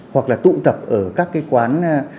hoặc là tụ tập ở các quán